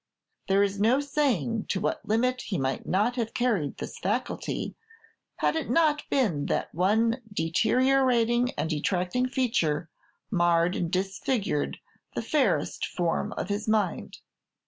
There is no saying to what limit he might not have carried this faculty, had it not been that one deteriorating and detracting feature marred and disfigured the fairest form of his mind.